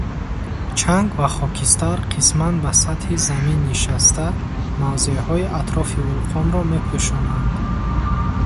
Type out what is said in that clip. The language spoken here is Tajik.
Чанг ва хокистар қисман ба сатҳи Замин нишаста, мавзеъҳои атрофи вулқонро мепӯшонанд.